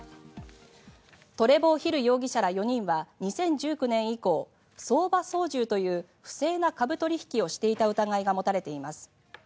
トレボー・ヒル容疑者ら４人は２０１９年以降相場操縦という不正な株取引をしていた疑いが持たれています。